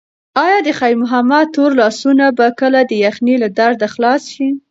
ایا د خیر محمد تور لاسونه به کله د یخنۍ له درده خلاص شي؟